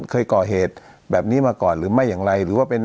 เคยก่อเหตุแบบนี้มาก่อนหรือไม่อย่างไร